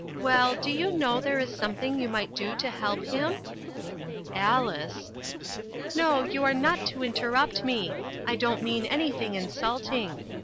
Well, do you know there is something you might do to help him ?" "Alice." " No, you are not to interrupt me. I don't mean anything insulting.